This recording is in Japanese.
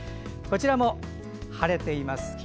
こちらも晴れています。